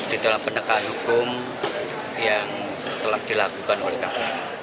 di dalam penegakan hukum yang telah dilakukan oleh kpk